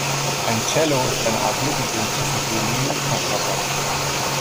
Ein Cello ist eine Art Mittelding zwischen Violine und Kontrabass.